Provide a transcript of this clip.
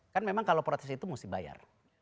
kan memang kalau protes itu mesti bayar